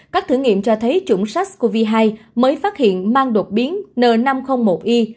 các thử nghiệm cho thấy chủng sars cov hai mới phát hiện mang đột biến n năm trăm linh một i